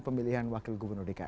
pemilihan wakil gubernur dki